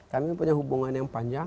kami punya hubungan yang panjang